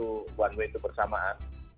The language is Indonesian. itu one way itu bersamaan